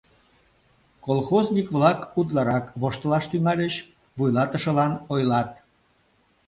Колхозник-влак утларак воштылаш тӱҥальыч, вуйлатышылан ойлат: